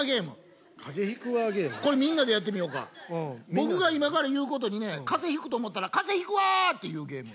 僕が今から言うことにね風邪ひくと思ったら「風邪ひくわ！」って言うゲーム。